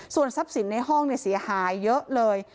ส่วนทรัพย์สินในห้องเสียหายเยอะเลย